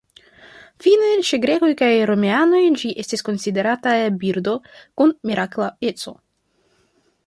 Fine, ĉe grekoj kaj romianoj ĝi estis konsiderata birdo kun mirakla eco.